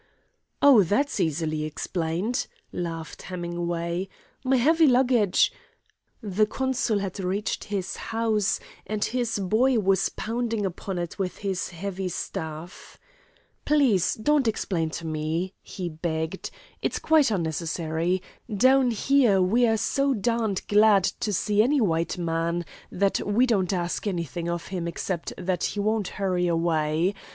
"Oh, that's easily explained," laughed Hemingway. "My heavy luggage " The consul had reached his house and his "boy" was pounding upon it with his heavy staff. "Please don't explain to me," he begged. "It's quite unnecessary. Down here we're so darned glad to see any white man that we don't ask anything of him except that he won't hurry away.